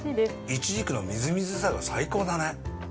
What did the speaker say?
イチジクのみずみずしさが最高だね。